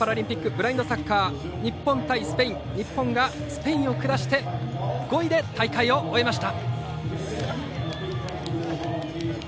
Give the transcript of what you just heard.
ブラインドサッカー日本対スペイン日本がスペインを下して５位で大会を終えました。